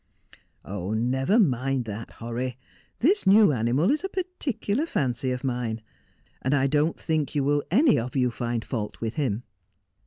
' Never mind that, Horry. This new animal is a particular fancy of mine, and I don't think you will any of you find fault with him.'